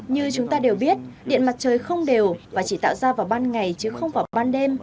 như chúng ta đều biết điện mặt trời không đều và chỉ tạo ra vào ban ngày chứ không vào ban đêm